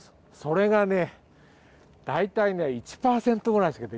それがね大体ね